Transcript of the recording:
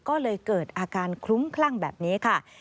ก็เลยเกิดอาการคลุ้มคลั่งแบบนี้ค่ะ